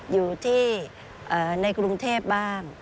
อยู่ที่ในกรุงเทพบ้าง